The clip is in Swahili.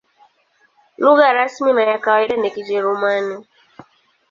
Lugha rasmi na ya kawaida ni Kijerumani.